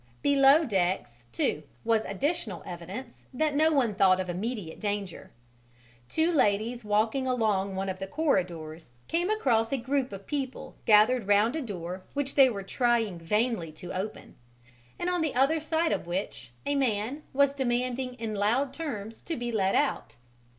Below decks too was additional evidence that no one thought of immediate danger. Two ladies walking along one of the corridors came across a group of people gathered round a door which they were trying vainly to open, and on the other side of which a man was demanding in loud terms to be let out.